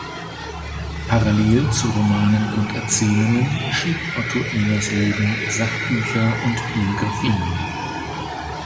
Parallel zu Romanen und Erzählungen schrieb Otto Emersleben Sachbücher und Biografien.